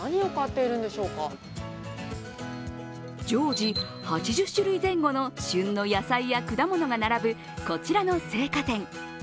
常時８０種類前後の旬の野菜や果物が並ぶこちらの青果店。